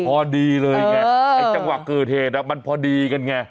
พอดีเลยไงไอ้จังหวะเกิดเหตุมันพอดีกันไง